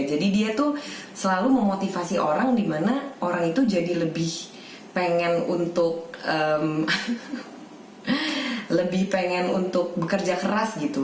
jadi dia tuh selalu memotivasi orang dimana orang itu jadi lebih pengen untuk lebih pengen untuk bekerja keras gitu